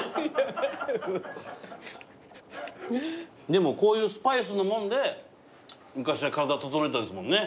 でもこういうスパイスのもんで昔は体を整えてたんですもんね。